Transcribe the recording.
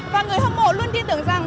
và người hâm mộ luôn tin tưởng rằng